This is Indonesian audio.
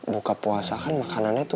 buka puasa kan makanannya tuh